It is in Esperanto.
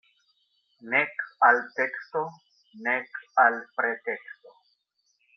Nek al teksto, nek al preteksto.